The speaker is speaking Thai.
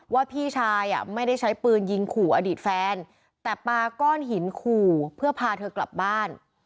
พี่ชายไม่ได้ใช้ปืนยิงขู่อดีตแฟนแต่ปาก้อนหินขู่เพื่อพาเธอกลับบ้าน